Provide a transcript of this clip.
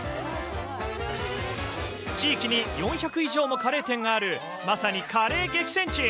地域に４００以上もカレー店がある、まさにカレー激戦地。